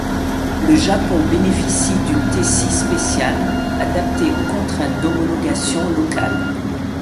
Le Japon bénéficie d'une Tesi spéciale, adaptée aux contraintes d'homologation locales.